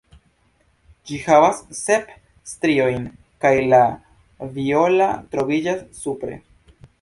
Ĝi havas sep striojn kaj la viola troviĝas supre.